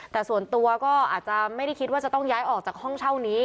แต่ส่วนตัวก็อาจจะไม่ได้คิดว่าจะต้องย้ายออกจากห้องเช่านี้